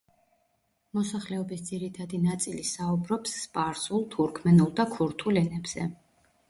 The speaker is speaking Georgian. მოსახლეობის ძირითადი ნაწილი საუბრობს: სპარსულ, თურქმენულ და ქურთულ ენებზე.